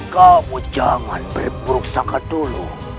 kamu jangan berperuksakan dulu